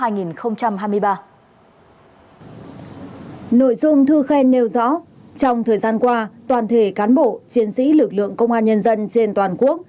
nội dung thư khen nêu rõ trong thời gian qua toàn thể cán bộ chiến sĩ lực lượng công an nhân dân trên toàn quốc